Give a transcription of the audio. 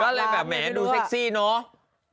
ก็เลยแบบแหมดูเซ็กซี่เนอะ